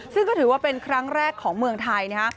ซึ่งก็ถือว่าเป็นครั้งแรกของเมืองไทยนะฮะ